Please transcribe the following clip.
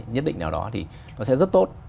nhất định nào đó thì nó sẽ rất tốt